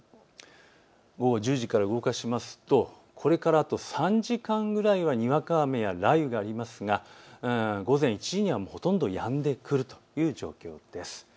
午後１０時から動かすとこれから３時間ぐらいはにわか雨や雷雨がありますが午前１時にはほとんどやんでくるという状況です。